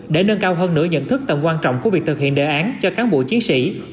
để nâng cao hơn nửa nhận thức tầm quan trọng của việc thực hiện đề án cho cán bộ chiến sĩ